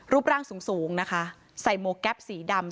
รูปร่างสูงสูงนะคะใส่หมวกแก๊ปสีดำ